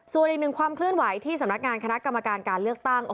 ส่วนอีกหนึ่งความเคลื่อนไหวที่สำนักงานคณะกรรมการการเลือกตั้ง